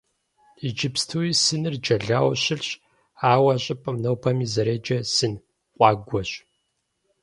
Иджыпстуи сыныр джэлауэ щылъщ, ауэ а щӀыпӀэм нобэми зэреджэр «Сын къуагуэщ».